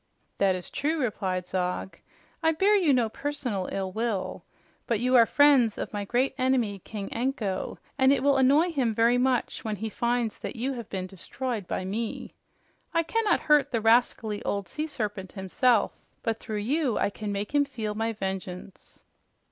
"That is true," replied Zog. "I bear you no personal ill will. But you are friends of my great enemy, King Anko, and it will annoy him very much when he finds that you have been destroyed by me. I cannot hurt the rascally old sea serpent himself, but through you I can make him feel my vengeance."